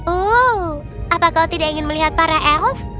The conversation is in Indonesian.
oh apa kau tidak ingin melihat para elf